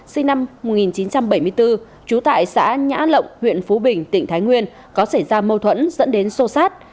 sinh năm một nghìn chín trăm bảy mươi bốn trú tại xã nhã lộng huyện phú bình tỉnh thái nguyên có xảy ra mâu thuẫn dẫn đến sô sát